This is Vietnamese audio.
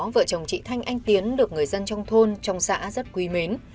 vợ chồng chị thanh anh tiến được người dân trong thôn trong xã rất quý mến